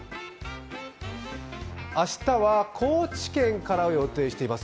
明日は高知県からを予定しています。